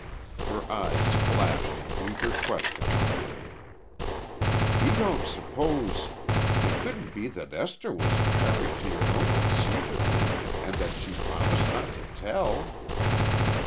Her eyes flashed an eager question at him. "You don't suppose it couldn't be that Esther was married to your uncle secretly and that she promised not to tell."